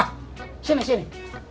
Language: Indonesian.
ah sini sini